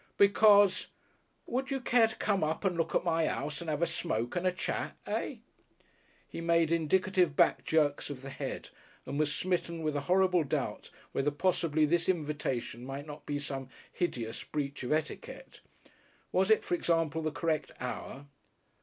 "Because . Would you care to come up and look at my 'ouse and 'ave a smoke and a chat. Eh?" He made indicative back jerks of the head, and was smitten with a horrible doubt whether possibly this invitation might not be some hideous breach of etiquette. Was it, for example, the correct hour?